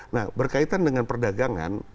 nah berkaitan dengan perdagangan